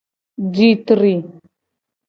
Ji tri.